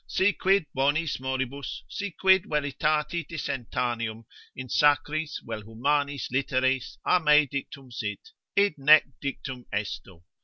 Si quid bonis moribus, si quid veritati dissentaneum, in sacris vel humanis literis a me dictum sit, id nec dictum esto.